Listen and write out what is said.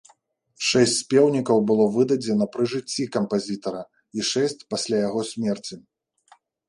Шэсць спеўнікаў было выдадзена пры жыцці кампазітара, і шэсць пасля яго смерці.